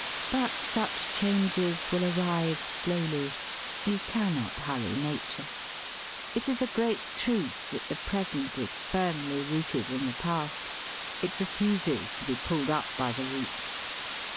But such changes will arrive slowly. You cannot hurry nature. It is a great truth that the present is firmly rooted in the • past. It refuses to be pulled up by the roots.